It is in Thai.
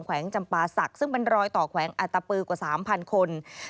วงจำปาศักดิ์ซึ่งเป็นรอยต่อแขวงอัตตปือกว่า๓๐๐คน